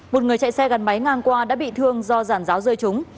một người chạy xe gần mái ngang qua đã bị thương do giàn giáo rơi trúng